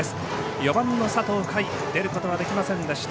４番の佐藤海出ることができませんでした。